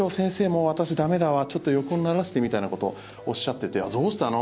もう私、駄目だわちょっと横にならせてみたいなことをおっしゃっていてどうしたの？